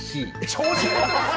調子に乗ってます！